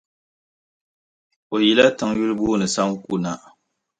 O yila tiŋ yuli booni Sanku na.